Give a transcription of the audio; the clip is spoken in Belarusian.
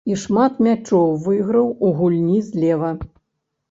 І шмат мячоў выйграў у гульні злева.